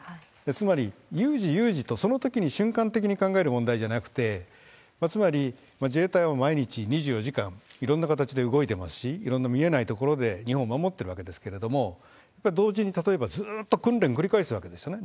つまり有事、有事と、そのときに瞬間的に考える問題じゃなくて、つまり自衛隊も毎日２４時間、いろんな形で動いてますし、いろんな見えないところで日本を守ってるわけですけれども、同時に、例えばずーっと訓練繰り返すわけですよね。